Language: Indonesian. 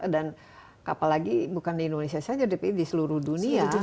apalagi bukan di indonesia saja di seluruh dunia